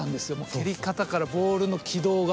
蹴り方からボールの軌道が。